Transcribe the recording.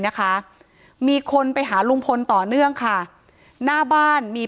ถ้าใครอยากรู้ว่าลุงพลมีโปรแกรมทำอะไรที่ไหนยังไง